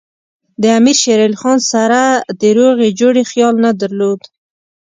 د امیر شېر علي خان سره د روغې جوړې خیال نه درلود.